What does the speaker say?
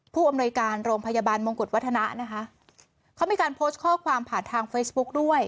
ผู้อำนวยการโรงพยาบาลมงกุฎวัฒนะนะคะเขามีการโพสต์ข้อความผ่านทางเฟซบุ๊กด้วย